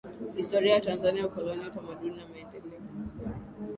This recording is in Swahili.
Historia ya Tanzania Ukoloni Utamaduni na Maendeleo